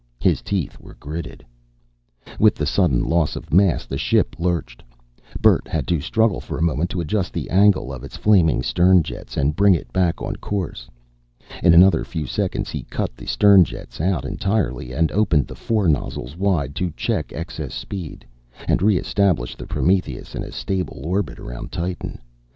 His teeth were gritted. With the sudden loss of mass, the ship lurched. Bert had to struggle for a moment to adjust the angle of its flaming stern jets, and bring it back on course. In another few seconds he cut the stern jets out entirely, and opened the fore nozzles wide to check excess speed, and reestablish the Prometheus in a stable orbit around Titan.